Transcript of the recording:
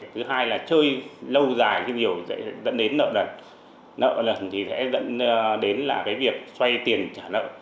thứ hai là chơi lâu dài thì sẽ dẫn đến nợ lần nợ lần thì sẽ dẫn đến là cái việc xoay tiền trả nợ